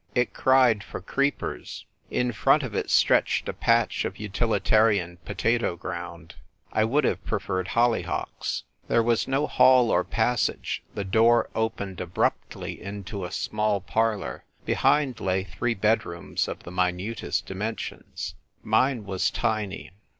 It cried for creepers. In front of it stretched a patch of utilitarian potato ground. I would have preferred holly hocks. There was no hall or passage : the door opened abruptly into a small parlour; behind lay three bedrooms of the minutest dimensions. Mine was tiny.